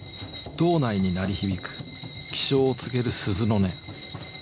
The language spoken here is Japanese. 堂内に鳴り響く起床を告げる鈴の音。